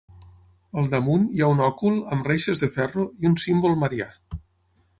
Al damunt hi ha un òcul amb reixes de ferro i un símbol marià.